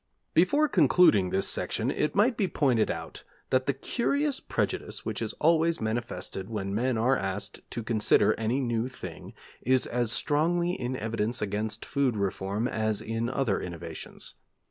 Before concluding this section it might be pointed out that the curious prejudice which is always manifested when men are asked to consider any new thing is as strongly in evidence against food reform as in other innovations.